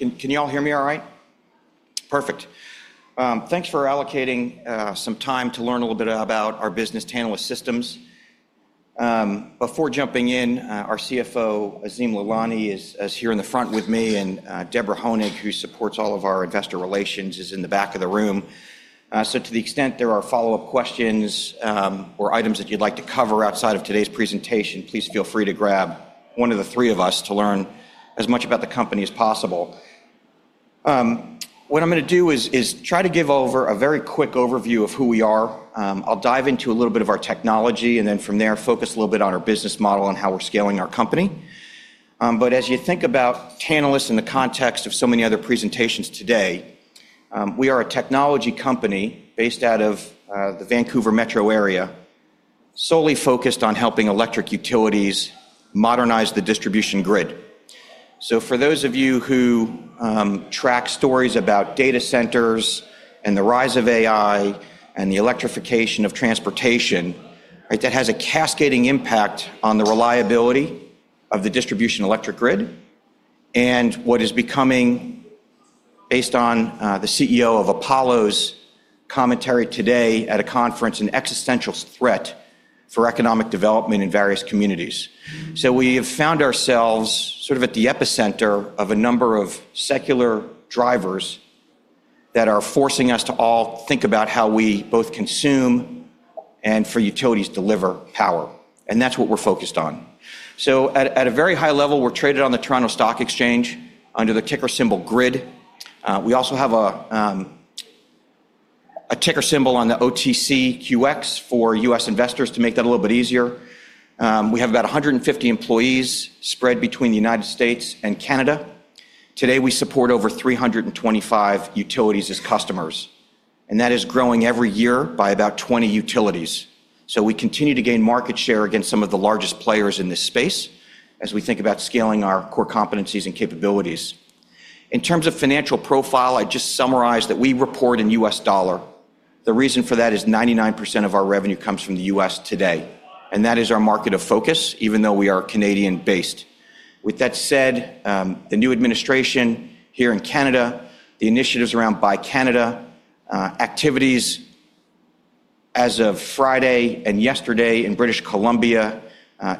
Morning. Can you all hear me all right? Perfect. Thanks for allocating some time to learn a little bit about our business, Tantalus Systems. Before jumping in, our CFO, Azim Lalani, is here in the front with me, and Deborah Honig, who supports all of our Investor Relations, is in the back of the room. To the extent there are follow-up questions or items that you'd like to cover outside of today's presentation, please feel free to grab one of the three of us to learn as much about the company as possible. What I'm going to do is try to give over a very quick overview of who we are. I'll dive into a little bit of our technology, and then from there, focus a little bit on our business model and how we're scaling our company. As you think about Tantalus in the context of so many other presentations today, we are a technology company based out of the Vancouver Metro Area, solely focused on helping electric utilities modernize the distribution grid. For those of you who track stories about data centers and the rise of AI and the electrification of transportation, that has a cascading impact on the reliability of the distribution electric grid and what is becoming, based on the CEO of Apollo's commentary today at a conference, an existential threat for economic development in various communities. We have found ourselves sort of at the epicenter of a number of secular drivers that are forcing us to all think about how we both consume and, for utilities, deliver power. That's what we're focused on. At a very high level, we're traded on the Toronto Stock Exchange under the ticker symbol GRID. We also have a ticker symbol on the OTCQX for U.S. investors to make that a little bit easier. We have about 150 employees spread between the United States and Canada. Today, we support over 325 utilities as customers, and that is growing every year by about 20 utilities. We continue to gain market share against some of the largest players in this space as we think about scaling our core competencies and capabilities. In terms of financial profile, I just summarized that we report in U.S. dollar. The reason for that is 99% of our revenue comes from the U.S. today, and that is our market of focus, even though we are Canadian-based. With that said, the new administration here in Canada, the initiatives around Buy Canada activities as of Friday and yesterday in British Columbia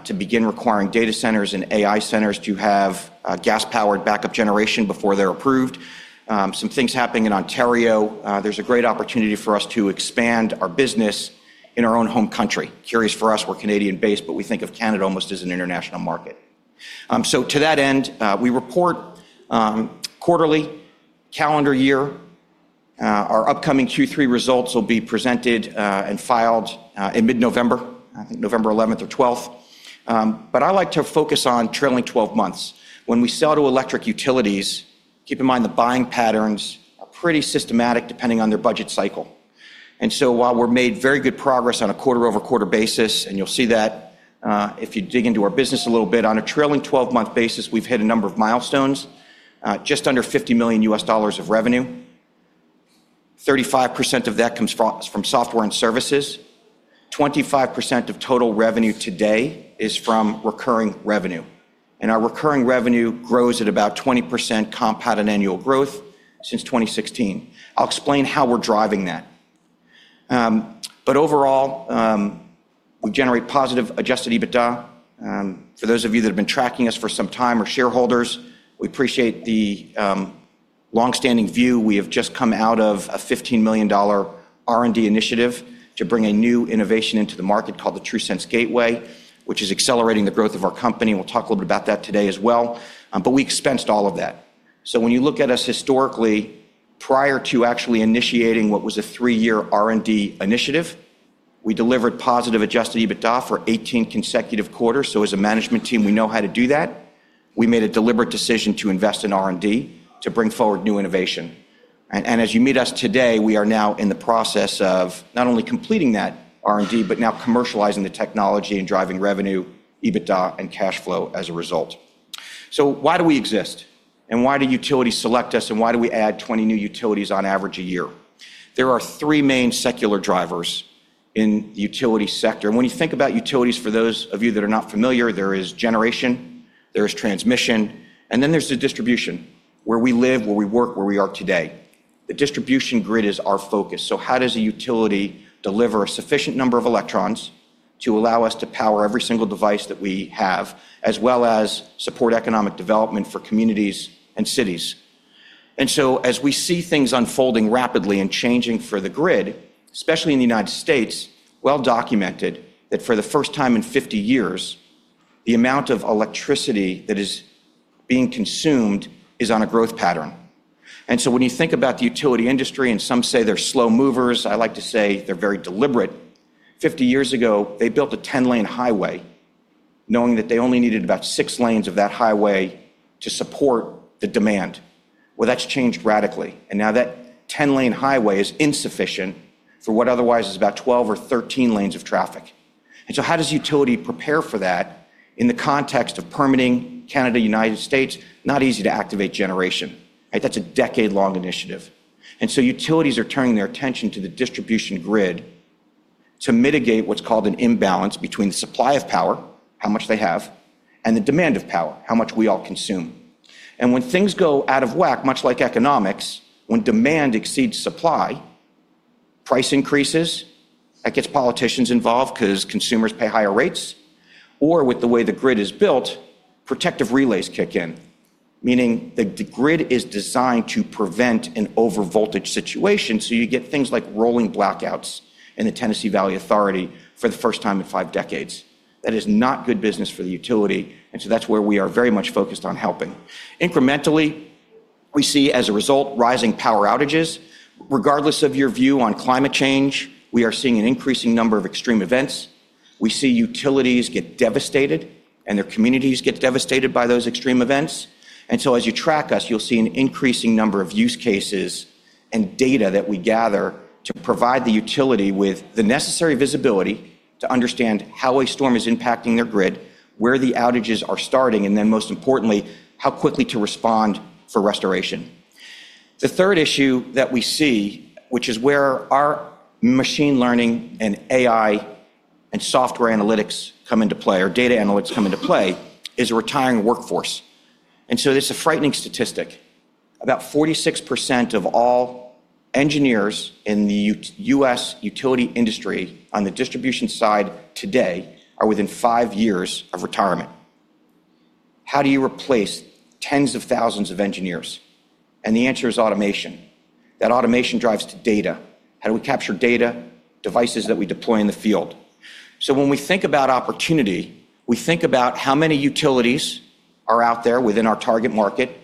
to begin requiring data centers and AI centers to have gas-powered backup generation before they're approved. Some things happening in Ontario. There's a great opportunity for us to expand our business in our own home country. Curious for us, we're Canadian-based, but we think of Canada almost as an international market. To that end, we report quarterly, calendar year. Our upcoming Q3 results will be presented and filed in mid-November, I think November 11th to 12th. I like to focus on trailing 12 months. When we sell to electric utilities, keep in mind the buying patterns are pretty systematic depending on their budget cycle. While we've made very good progress on a quarter-over-quarter basis, and you'll see that if you dig into our business a little bit, on a trailing 12-month basis, we've hit a number of milestones, just under $50 million of revenue. 35% of that comes from software and services. 25% of total revenue today is from recurring revenue. Our recurring revenue grows at about 20% compounded annual growth since 2016. I'll explain how we're driving that. Overall, we generate positive adjusted EBITDA. For those of you that have been tracking us for some time or shareholders, we appreciate the longstanding view. We have just come out of a $15 million R&D initiative to bring a new innovation into the market called the TRUSense Gateway, which is accelerating the growth of our company. We'll talk a little bit about that today as well. We expensed all of that. When you look at us historically, prior to actually initiating what was a three-year R&D initiative, we delivered positive adjusted EBITDA for 18 consecutive quarters. As a management team, we know how to do that. We made a deliberate decision to invest in R&D to bring forward new innovation. As you meet us today, we are now in the process of not only completing that R&D, but now commercializing the technology and driving revenue, EBITDA, and cash flow as a result. Why do we exist? Why do utilities select us? Why do we add 20 new utilities on average a year? There are three main secular drivers in the utility sector. When you think about utilities, for those of you that are not familiar, there is generation, there is transmission, and then there's the distribution, where we live, where we work, where we are today. The distribution grid is our focus. How does a utility deliver a sufficient number of electrons to allow us to power every single device that we have, as well as support economic development for communities and cities? As we see things unfolding rapidly and changing for the grid, especially in the United States, it is well documented that for the first time in 50 years, the amount of electricity that is being consumed is on a growth pattern. When you think about the utility industry, and some say they're slow movers, I like to say they're very deliberate. Fifty years ago, they built a 10-lane highway, knowing that they only needed about six lanes of that highway to support the demand. That has changed radically. Now that 10-lane highway is insufficient for what otherwise is about 12 or 13 lanes of traffic. How does a utility prepare for that in the context of permitting in Canada and the United States? It is not easy to activate generation. That is a decade-long initiative. Utilities are turning their attention to the distribution grid to mitigate what's called an imbalance between the supply of power, how much they have, and the demand of power, how much we all consume. When things go out of whack, much like economics, when demand exceeds supply, price increases, that gets politicians involved because consumers pay higher rates, or with the way the grid is built, protective relays kick in, meaning the grid is designed to prevent an overvoltage situation. You get things like rolling blackouts in the Tennessee Valley Authority for the first time in five decades. That is not good business for the utility. That is where we are very much focused on helping. Incrementally, we see, as a result, rising power outages. Regardless of your view on climate change, we are seeing an increasing number of extreme events. We see utilities get devastated, and their communities get devastated by those extreme events. As you track us, you'll see an increasing number of use cases and data that we gather to provide the utility with the necessary visibility to understand how a storm is impacting their grid, where the outages are starting, and then, most importantly, how quickly to respond for restoration. The third issue that we see, which is where our machine learning and AI and software analytics come into play, or data analytics come into play, is a retiring workforce. This is a frightening statistic. About 46% of all engineers in the U.S. utility industry on the distribution side today are within five years of retirement. How do you replace tens of thousands of engineers? The answer is automation. That automation drives to data. How do we capture data, devices that we deploy in the field? When we think about opportunity, we think about how many utilities are out there within our target market,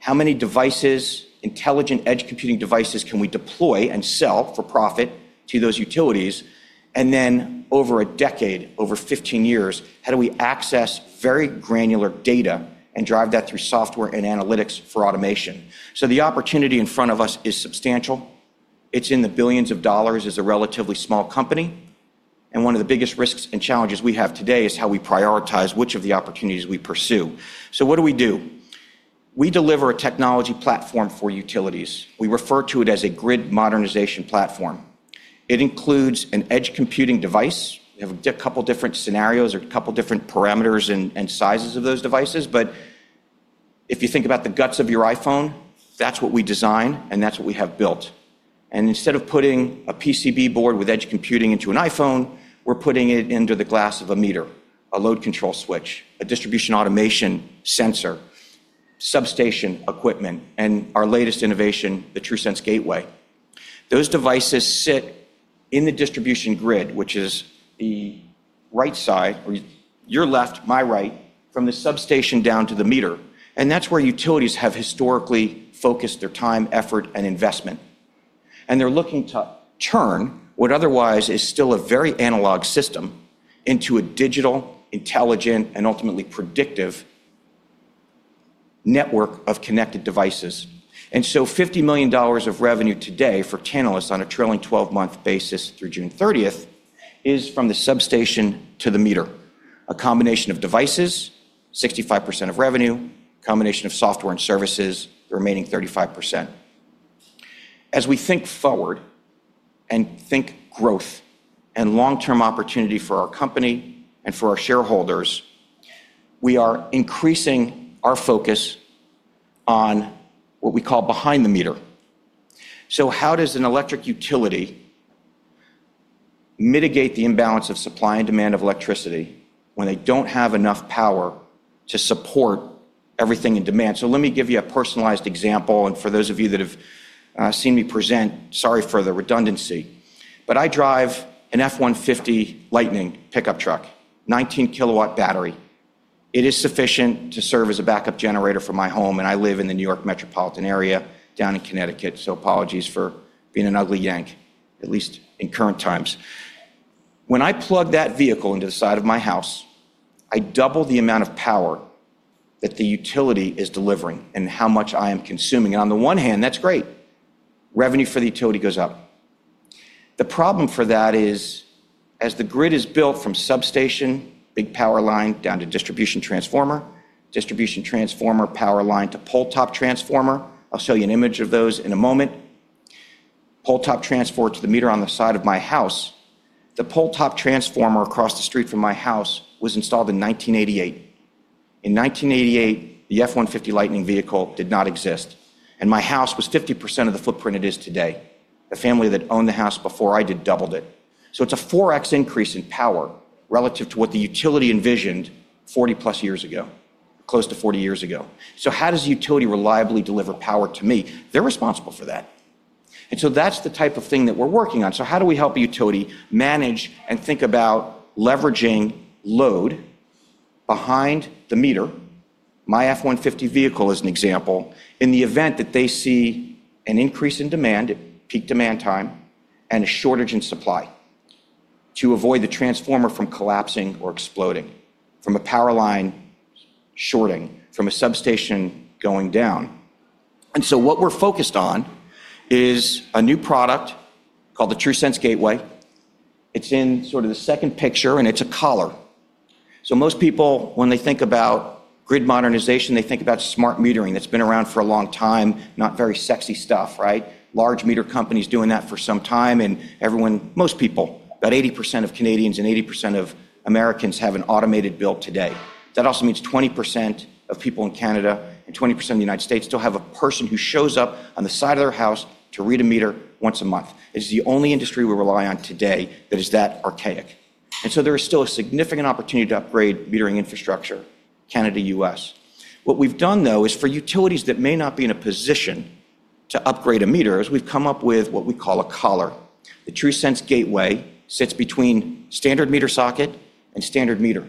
how many devices, intelligent edge computing devices can we deploy and sell for profit to those utilities, and then, over a decade, over 15 years, how do we access very granular data and drive that through software and analytics for automation? The opportunity in front of us is substantial. It's in the billions of dollars as a relatively small company. One of the biggest risks and challenges we have today is how we prioritize which of the opportunities we pursue. What do we do? We deliver a technology platform for utilities. We refer to it as a grid modernization platform. It includes an edge computing device. We have a couple of different scenarios or a couple of different parameters and sizes of those devices. If you think about the guts of your iPhone, that's what we design, and that's what we have built. Instead of putting a PCB board with edge computing into an iPhone, we're putting it into the glass of a meter, a load control switch, a distribution automation sensor, substation equipment, and our latest innovation, the TRUSense Gateway. Those devices sit in the distribution grid, which is the right side, or your left, my right, from the substation down to the meter. That's where utilities have historically focused their time, effort, and investment. They're looking to turn what otherwise is still a very analog system into a digital, intelligent, and ultimately predictive network of connected devices. $50 million of revenue today for Tantalus on a trailing 12-month basis through June 30th is from the substation to the meter, a combination of devices, 65% of revenue, a combination of software and services, the remaining 35%. As we think forward and think growth and long-term opportunity for our company and for our shareholders, we are increasing our focus on what we call behind the meter. How does an electric utility mitigate the imbalance of supply and demand of electricity when they don't have enough power to support everything in demand? Let me give you a personalized example. For those of you that have seen me present, sorry for the redundancy, but I drive an F-150 Lightning pickup truck, 19 kW battery. It is sufficient to serve as a backup generator for my home. I live in the New York Metropolitan Area down in Connecticut. Apologies for being an ugly yank, at least in current times. When I plug that vehicle into the side of my house, I double the amount of power that the utility is delivering and how much I am consuming. On the one hand, that's great. Revenue for the utility goes up. The problem for that is, as the grid is built from substation, big power line, down to distribution transformer, distribution transformer, power line to pole-top transformer. I'll show you an image of those in a moment. Pole-top transformer to the meter on the side of my house. The pole-top transformer across the street from my house was installed in 1988. In 1988, the F-150 Lightning vehicle did not exist. My house was 50% of the footprint it is today. The family that owned the house before I did doubled it. It's a 4x increase in power relative to what the utility envisioned 40+ years ago, close to 40 years ago. How does the utility reliably deliver power to me? They're responsible for that. That's the type of thing that we're working on. How do we help a utility manage and think about leveraging load behind the meter, my F-150 vehicle as an example, in the event that they see an increase in demand at peak demand time and a shortage in supply to avoid the transformer from collapsing or exploding, from a power line shorting, from a substation going down? What we're focused on is a new product called the TRUSense Gateway. It's in sort of the second picture, and it's a collar. Most people, when they think about grid modernization, they think about smart metering that's been around for a long time, not very sexy stuff, right? Large meter companies doing that for some time, and everyone, most people, about 80% of Canadians and 80% of Americans have an automated build today. That also means 20% of people in Canada and 20% of the United States still have a person who shows up on the side of their house to read a meter once a month. It's the only industry we rely on today that is that archaic. There is still a significant opportunity to upgrade metering infrastructure in Canada and the U.S. What we've done, though, is for utilities that may not be in a position to upgrade a meter, we've come up with what we call a collar. The TRUSense Gateway sits between a standard meter socket and a standard meter.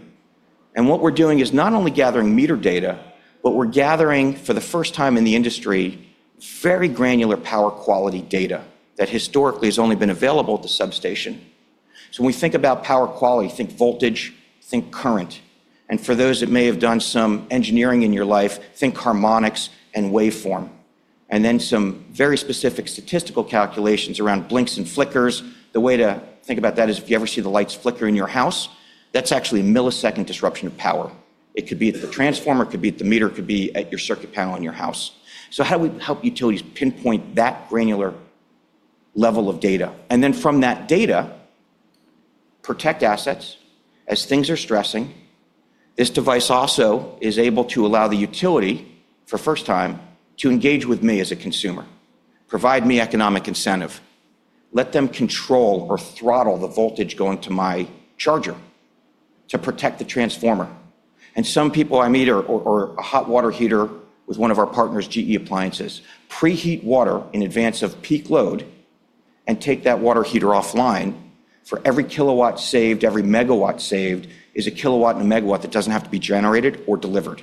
What we're doing is not only gathering meter data, but we're gathering, for the first time in the industry, very granular power quality data that historically has only been available at the substation. When we think about power quality, think voltage, think current. For those that may have done some engineering in your life, think harmonics and waveform, and then some very specific statistical calculations around blinks and flickers. The way to think about that is if you ever see the lights flicker in your house, that's actually a millisecond disruption of power. It could be at the transformer, it could be at the meter, it could be at your circuit panel in your house. How do we help utilities pinpoint that granular level of data? From that data, protect assets as things are stressing. This device also is able to allow the utility, for the first time, to engage with me as a consumer, provide me economic incentive, let them control or throttle the voltage going to my charger to protect the transformer. Some people I meet are a hot water heater with one of our partners, GE Appliances. Preheat water in advance of peak load and take that water heater offline. For every kilowatt saved, every megawatt saved, is a kilowatt and a megawatt that doesn't have to be generated or delivered.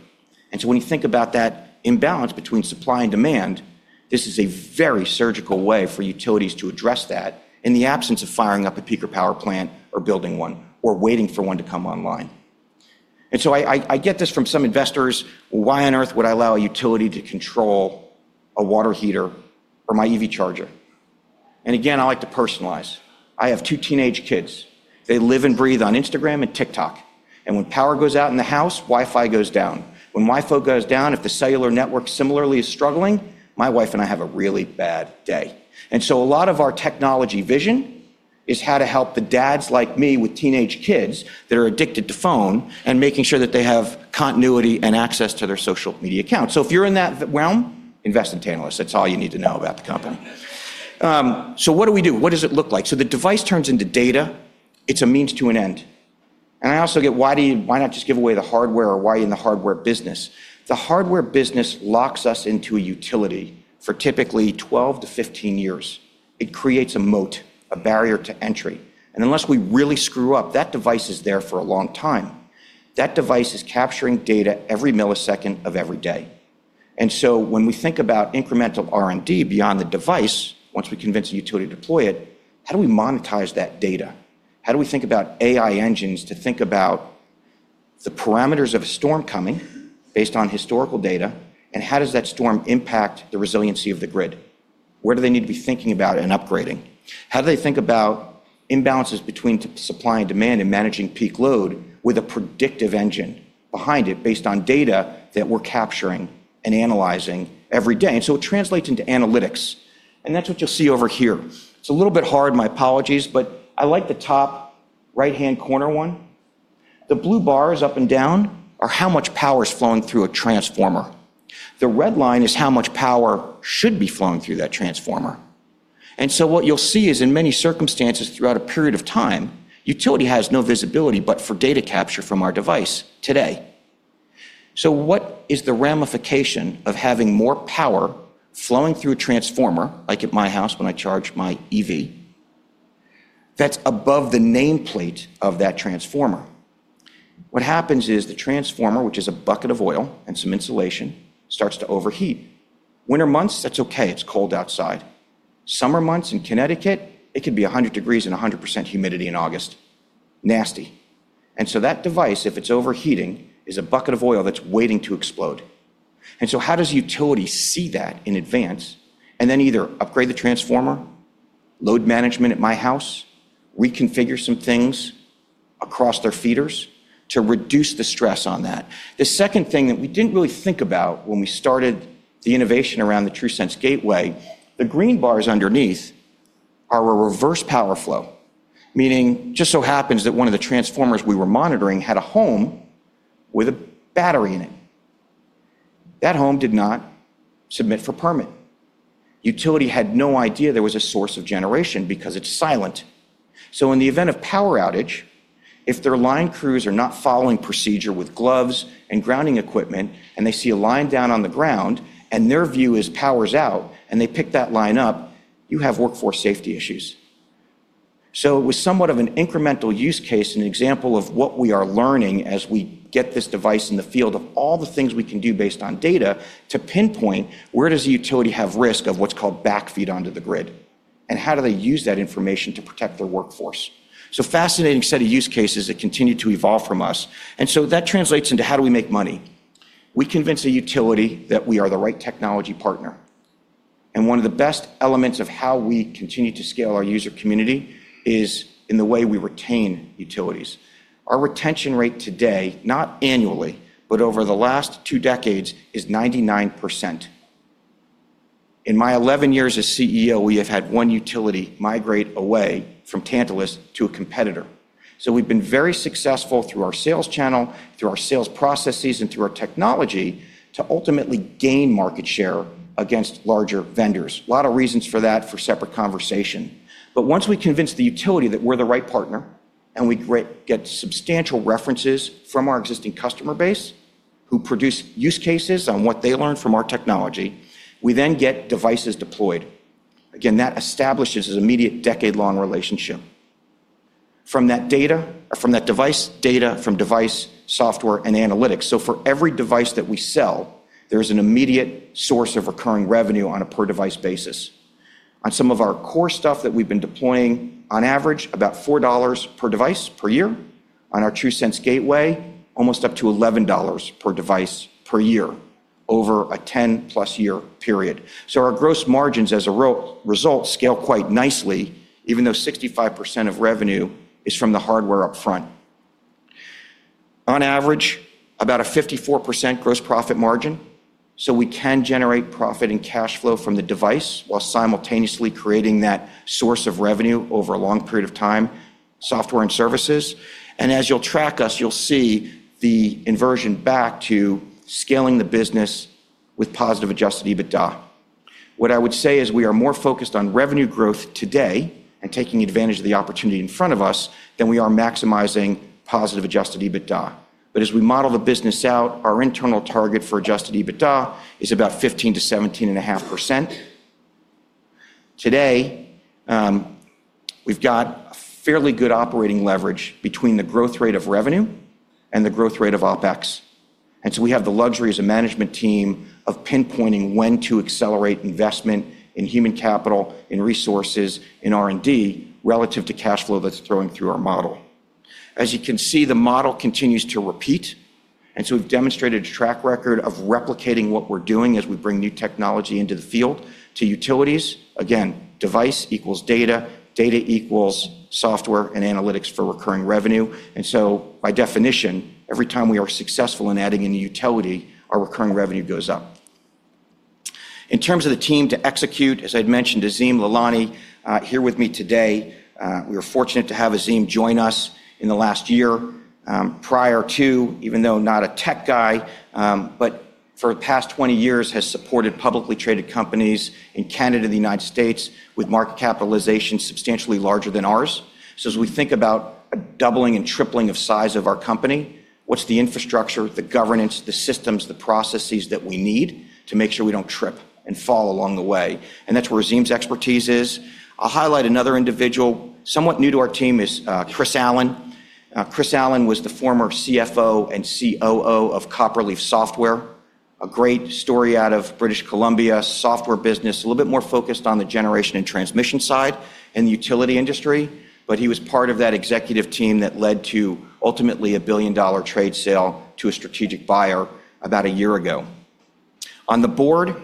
When you think about that imbalance between supply and demand, this is a very surgical way for utilities to address that in the absence of firing up a peaker power plant or building one or waiting for one to come online. I get this from some investors. Why on earth would I allow a utility to control a water heater or my EV charger? I like to personalize. I have two teenage kids. They live and breathe on Instagram and TikTok. When power goes out in the house, Wi-Fi goes down. When Wi-Fi goes down, if the cellular network similarly is struggling, my wife and I have a really bad day. A lot of our technology vision is how to help the dads like me with teenage kids that are addicted to phone and making sure that they have continuity and access to their social media accounts. If you're in that realm, invest in Tantalus. That's all you need to know about the company. What do we do? What does it look like? The device turns into data. It's a means to an end. I also get, why not just give away the hardware? Or why are you in the hardware business? The hardware business locks us into a utility for typically 12 to 15 years. It creates a moat, a barrier to entry. Unless we really screw up, that device is there for a long time. That device is capturing data every millisecond of every day. When we think about incremental R&D beyond the device, once we convince a utility to deploy it, how do we monetize that data? How do we think about AI engines to think about the parameters of a storm coming based on historical data? How does that storm impact the resiliency of the grid? Where do they need to be thinking about and upgrading? How do they think about imbalances between supply and demand and managing peak load with a predictive engine behind it based on data that we're capturing and analyzing every day? It translates into analytics. That's what you'll see over here. It's a little bit hard, my apologies, but I like the top right-hand corner one. The blue bars up and down are how much power is flowing through a transformer. The red line is how much power should be flowing through that transformer. What you'll see is, in many circumstances throughout a period of time, the utility has no visibility but for data capture from our device today. What is the ramification of having more power flowing through a transformer like at my house when I charge my EV? That's above the nameplate of that transformer. What happens is the transformer, which is a bucket of oil and some insulation, starts to overheat. Winter months, that's OK. It's cold outside. Summer months in Connecticut, it could be 100 degrees and 100% humidity in August. Nasty. That device, if it's overheating, is a bucket of oil that's waiting to explode. How does a utility see that in advance and then either upgrade the transformer, load management at my house, reconfigure some things across their feeders to reduce the stress on that? The second thing that we didn't really think about when we started the innovation around the TRUSense Gateway, the green bars underneath are a reverse power flow, meaning it just so happens that one of the transformers we were monitoring had a home with a battery in it. That home did not submit for permit. The utility had no idea there was a source of generation because it's silent. In the event of power outage, if their line crews are not following procedure with gloves and grounding equipment, and they see a line down on the ground, and their view is power's out, and they pick that line up, you have workforce safety issues. It was somewhat of an incremental use case, an example of what we are learning as we get this device in the field of all the things we can do based on data to pinpoint where does a utility have risk of what's called backfeed onto the grid, and how do they use that information to protect their workforce? A fascinating set of use cases that continue to evolve from us. That translates into how do we make money? We convince a utility that we are the right technology partner. One of the best elements of how we continue to scale our user community is in the way we retain utilities. Our retention rate today, not annually, but over the last two decades, is 99%. In my 11 years as CEO, we have had one utility migrate away from Tantalus to a competitor. We have been very successful through our sales channel, through our sales processes, and through our technology to ultimately gain market share against larger vendors. A lot of reasons for that for separate conversation. Once we convince the utility that we're the right partner and we get substantial references from our existing customer base who produce use cases on what they learn from our technology, we then get devices deployed. That establishes an immediate decade-long relationship from that data, from that device data, from device software and analytics. For every device that we sell, there is an immediate source of recurring revenue on a per-device basis. On some of our core stuff that we've been deploying, on average, about $4 per device per year. On our TRUSense Gateway, almost up to $11 per device per year over a 10+ year period. Our gross margins, as a result, scale quite nicely, even though 65% of revenue is from the hardware upfront. On average, about a 54% gross profit margin. We can generate profit and cash flow from the device while simultaneously creating that source of revenue over a long period of time, software and services. As you'll track us, you'll see the inversion back to scaling the business with positive adjusted EBITDA. What I would say is we are more focused on revenue growth today and taking advantage of the opportunity in front of us than we are maximizing positive adjusted EBITDA. As we model the business out, our internal target for adjusted EBITDA is about 15%-17.5%. Today, we've got a fairly good operating leverage between the growth rate of revenue and the growth rate of OpEx. We have the luxury, as a management team, of pinpointing when to accelerate investment in human capital, in resources, in R&D relative to cash flow that's flowing through our model. As you can see, the model continues to repeat. We've demonstrated a track record of replicating what we're doing as we bring new technology into the field to utilities. Again, device equals data, data equals software and analytics for recurring revenue. By definition, every time we are successful in adding a new utility, our recurring revenue goes up. In terms of the team to execute, as I'd mentioned, Azim Lalani here with me today. We are fortunate to have Azim join us in the last year. Prior to, even though not a tech guy, for the past 20 years has supported publicly traded companies in Canada, the United States, with market capitalization substantially larger than ours. As we think about doubling and tripling the size of our company, what's the infrastructure, the governance, the systems, the processes that we need to make sure we don't trip and fall along the way? That's where Azim's expertise is. I'll highlight another individual somewhat new to our team, Chris Allen. Chris Allen was the former CFO and COO of Copperleaf Software, a great story out of British Columbia software business, a little bit more focused on the generation and transmission side in the utility industry. He was part of that executive team that led to ultimately a billion-dollar trade sale to a strategic buyer about a year ago. On the board,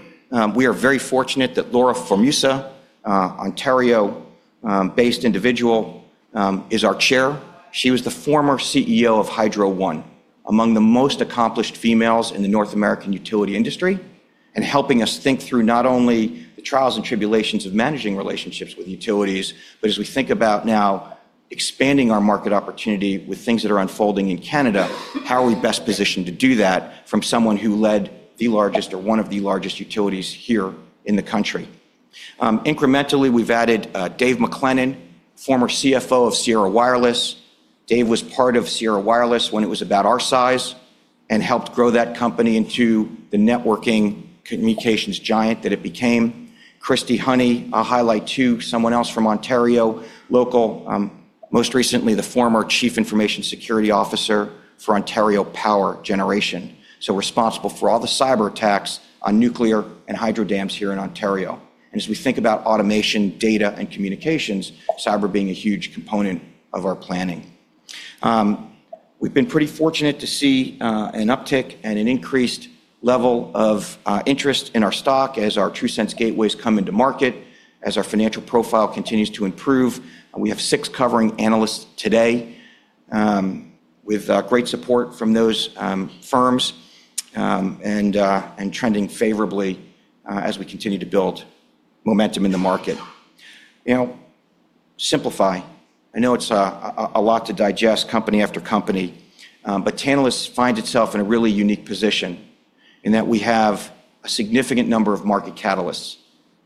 we are very fortunate that Laura Formusa, Ontario-based individual, is our Chair. She was the former CEO of Hydro One, among the most accomplished females in the North American utility industry and helping us think through not only the trials and tribulations of managing relationships with utilities, but as we think about now expanding our market opportunity with things that are unfolding in Canada, how are we best positioned to do that from someone who led the largest or one of the largest utilities here in the country? Incrementally, we've added Dave McLennan, former CFO of Sierra Wireless. Dave was part of Sierra Wireless when it was about our size and helped grow that company into the networking communications giant that it became. Kristy Honey, I'll highlight too, someone else from Ontario, local, most recently the former Chief Information Security Officer for Ontario Power Generation. Responsible for all the cyber attacks on nuclear and hydro dams here in Ontario. As we think about automation, data, and communications, cyber being a huge component of our planning. We've been pretty fortunate to see an uptick and an increased level of interest in our stock as our TRUSense Gateways come into market, as our financial profile continues to improve. We have six covering analysts today with great support from those firms and trending favorably as we continue to build momentum in the market. Now, simplify. I know it's a lot to digest, company after company, but Tantalus finds itself in a really unique position in that we have a significant number of market catalysts.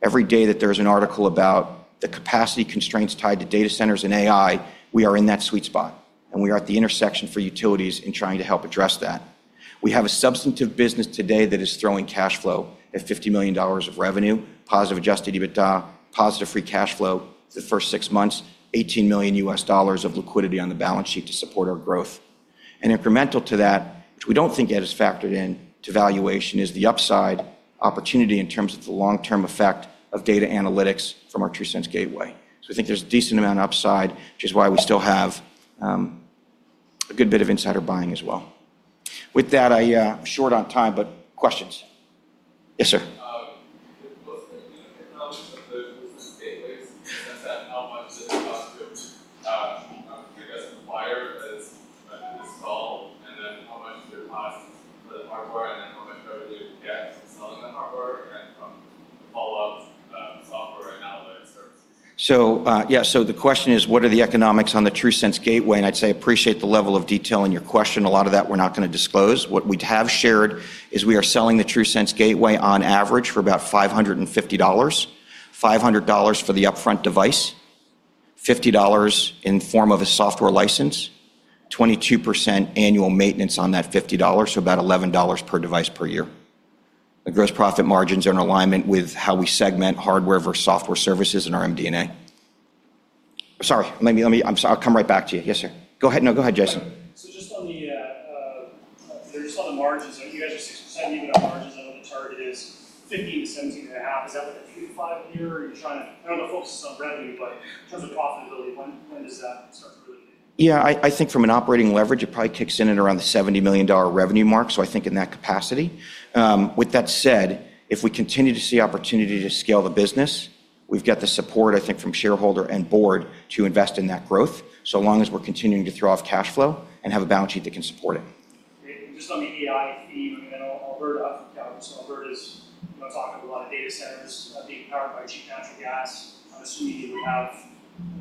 Every day that there's an article about the capacity constraints tied to data centers and AI, we are in that sweet spot. We are at the intersection for utilities in trying to help address that. We have a substantive business today that is throwing cash flow at $50 million of revenue, positive adjusted EBITDA, positive free cash flow for the first six months, $18 million US dollars of liquidity on the balance sheet to support our growth. Incremental to that, which we don't think yet is factored into valuation, is the upside opportunity in terms of the long-term effect of data analytics from our TRUSense Gateway. I think there's a decent amount of upside, which is why we still have a good bit of insider buying as well. With that, I'm short on time, but questions? Yes, sir. What's the unit economics of those Gateways? How much does it cost to, I guess, acquire, as you mentioned in this call? How much does it cost for the hardware? How much revenue do you get from selling the hardware and from the follow-up software and analytics services? The question is, what are the economics on the TRUSense Gateway? I appreciate the level of detail in your question. A lot of that we're not going to disclose. What we have shared is we are selling the TRUSense Gateway on average for about $550, $500 for the upfront device, $50 in the form of a software license, 22% annual maintenance on that $50, so about $11 per device per year. The gross profit margins are in alignment with how we segment hardware versus software and services in our MD&A. Sorry, I'll come right back to you. Yes, sir. Go ahead. No, go ahead, Jason. Just on the margins, you guys are 6% EBITDA margins. I know the target is 15%-17.5%. Is that like a two to five year? Are you trying to, I don't know if the focus is on revenue, but in terms of profitability, when does that start to really kick in? Yeah, I think from an operating leverage, it probably kicks in at around the $70 million revenue mark. I think in that capacity. With that said, if we continue to see opportunity to scale the business, we've got the support, I think, from shareholder and board to invest in that growth, so long as we're continuing to throw off cash flow and have a balance sheet that can support it. Great. Just on the AI theme, I know Alberta is talking about a lot of data centers being powered by cheap natural gas. I'm assuming that we have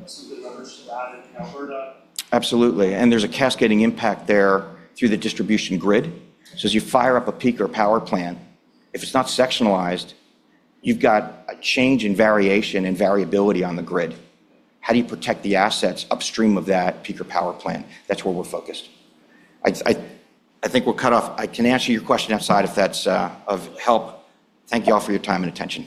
some good leverage to that in Alberta. Absolutely. There's a cascading impact there through the distribution grid. As you fire up a peaker power plant, if it's not sectionalized, you've got a change in variation and variability on the grid. How do you protect the assets upstream of that peaker power plant? That's where we're focused. I think we're cut off. I can answer your question outside of that if it would help. Thank you all for your time and attention.